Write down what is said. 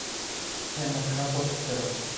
Es mencionado por Cicerón.